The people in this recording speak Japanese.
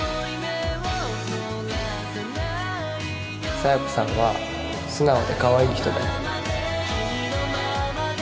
佐弥子さんは素直でかわいい人だよ